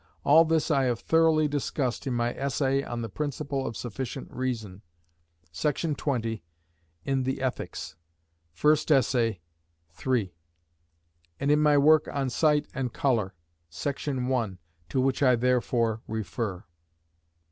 All this I have thoroughly discussed in my essay on the principle of sufficient reason, § 20, in the "Ethics," first essay, iii., and in my work on Sight and Colour, § 1, to which I therefore refer.